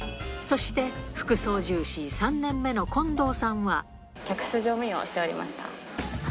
そして、副操縦士３年目の近客室乗務員をしておりました。